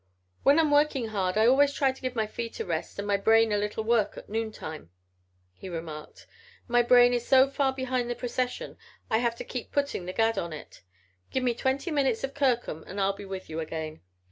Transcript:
"When I'm working hard I always try to give my feet a rest and my brain a little work at noontime," he remarked. "My brain is so far behind the procession I have to keep putting the gad on it. Give me twenty minutes of Kirkham and I'll be with you again."